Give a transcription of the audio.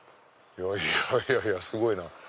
いやいやいやすごいなぁ。